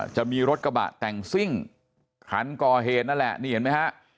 จะมีรถกระบะแต่งซิ่งคันก่อเหตุนั่นแหละนี่เห็นไหมฮะ